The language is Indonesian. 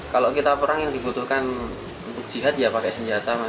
kalau kita perang yang dibutuhkan untuk jihad ya pakai senjata